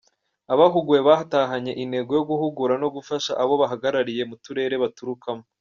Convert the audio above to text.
Abahuguwe batahanye intego yo guhugura no gufasha abo bahagarariye mu turere baturukamo.